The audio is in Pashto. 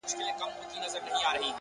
ناکامي د مسیر د سمولو اشاره ده.!